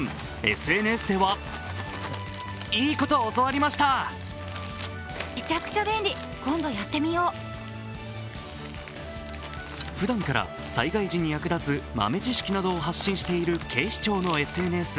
ＳＮＳではふだんから災害時に役立つ豆知識などを発信している警視庁のＳＮＳ。